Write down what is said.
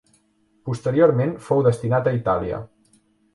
Posteriorment fou destinat a Itàlia.